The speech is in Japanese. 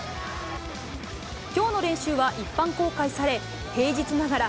きょうの練習は一般公開され、平日ながら、